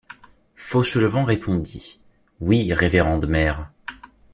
Fauchelevent répondit: — Oui, révérende mère.